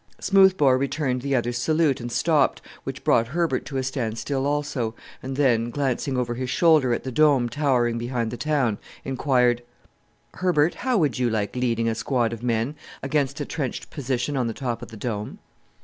Smoothbore returned the other's salute and stopped, which brought Herbert to a standstill also, and then, glancing over his shoulder at the Dome towering behind the town, inquired, "Herbert, how would you like leading a squad of men against a trenched position on the top of the Dome?"